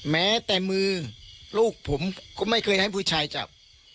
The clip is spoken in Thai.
แม้แต่มือลูกผมก็ไม่เคยให้ผู้ชายจับ